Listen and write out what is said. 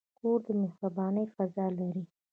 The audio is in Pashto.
کور د مهربانۍ فضاء لري.